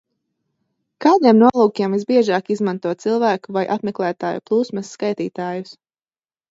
Kādiem nolūkiem visbiežāk izmanto cilvēku vai apmeklētāju plūsmas skaitītājus?